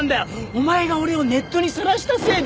お前が俺をネットに晒したせいで！